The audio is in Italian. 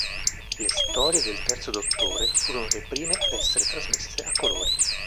Le storie del terzo Dottore furono le prime ad essere trasmesse a colori.